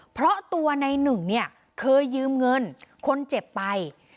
เพราะตัวในหนึ่งเนี่ยเคยยืมเงินคนเจ็บไป